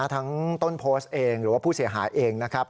ทั้งต้นโพสต์เองหรือว่าผู้เสียหายเองนะครับ